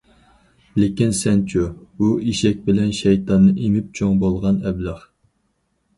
لېكىن سەنچۇ؟ ھۇ ئېشەك بىلەن شەيتاننى ئېمىپ چوڭ بولغان ئەبلەخ!